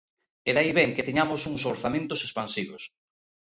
E de aí vén que teñamos uns orzamentos expansivos.